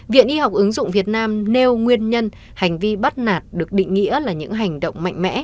viện y học ứng dụng việt nam nêu nguyên nhân hành vi bắt nạt được định nghĩa là những hành động mạnh mẽ